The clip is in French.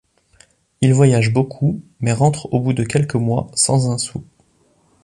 Il voyage beaucoup mais rentre au bout de quelques mois, sans un sou.